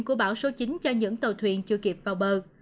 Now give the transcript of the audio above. của bão số chín cho những tàu thuyền chưa kịp vào bờ